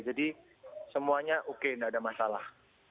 jadi semuanya oke tidak ada masalah